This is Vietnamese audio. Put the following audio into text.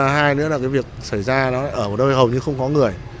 hai nữa là việc xảy ra ở một nơi hầu như không có người